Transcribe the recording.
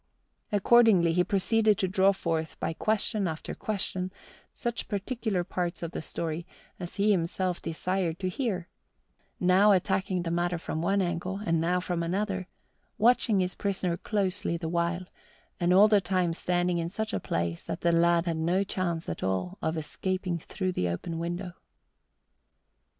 Accordingly he proceeded to draw forth by question after question such particular parts of the story as he himself desired to hear, now attacking the matter from one angle and now from another, watching his prisoner closely the while and all the time standing in such a place that the lad had no chance at all of escaping through the open window.